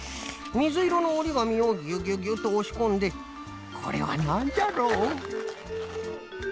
みずいろのおりがみをギュギュギュッとおしこんでこれはなんじゃろう？